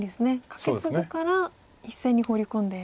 カケツグから１線にホウリ込んで。